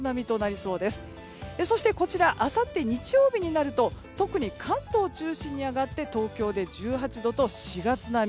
そして、あさって日曜日になると特に関東を中心に上がって東京で１８度と４月並み。